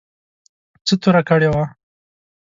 څه توره کړې وه.